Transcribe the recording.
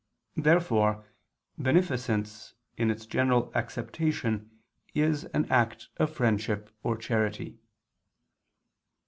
Therefore beneficence in its general acceptation is an act of friendship or charity.